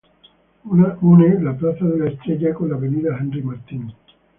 Une la plaza de la Estrella con la avenida Henri-Martin.